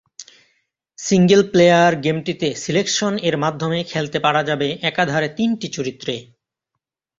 Single player গেমটিতে selection এর মাধ্যমে খেলতে পারা যাবে একাধারে তিনটি চরিত্রে।